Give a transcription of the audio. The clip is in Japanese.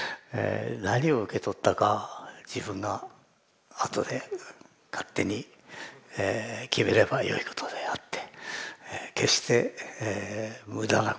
何を受け取ったか自分があとで勝手に決めればよいことであって決して無駄なことではなかった。